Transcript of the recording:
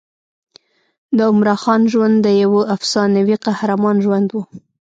د عمراخان ژوند د یوه افسانوي قهرمان ژوند و.